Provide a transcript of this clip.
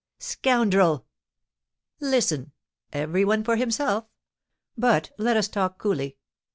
"Scoundrel!" "Listen: every one for himself; but let us talk coolly.